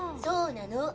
そうなの。